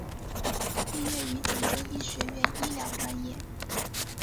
毕业于锦州医学院医疗专业。